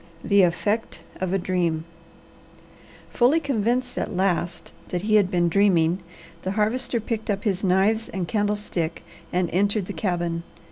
THE EFFECT OF A DREAM Fully convinced at last that he had been dreaming, the Harvester picked up his knives and candlestick and entered the cabin.